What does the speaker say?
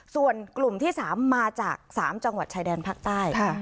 ส่วนกลุ่มที่๓มาจาก๓จังหวัดชายแดนภาคใต้